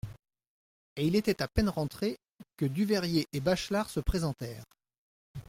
Et il était à peine rentré, que Duveyrier et Bachelard se présentèrent.